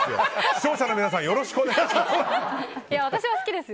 視聴者の皆さんよろしくお願いします！